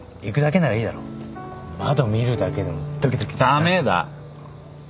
駄目だ。